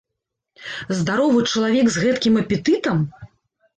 Здаровы чалавек, з гэткім апетытам?